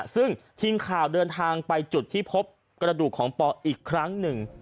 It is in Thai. ซึ่งทีมข่าวเดินทางไปจุดที่พบกระดูกของปออีกครั้งหนึ่ง